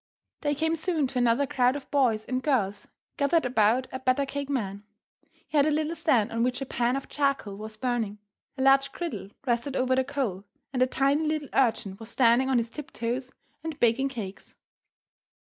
They came soon to another crowd of boys and girls gathered about a batter cake man. He had a little stand on which a pan of charcoal was burning. A large griddle rested over the coal, and a tiny little urchin was standing on his tiptoes and baking cakes.